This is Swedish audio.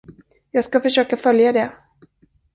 Jag skall försöka följa det.